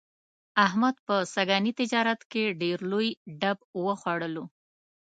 احمد په سږني تجارت کې ډېر لوی ډب وخوړلو.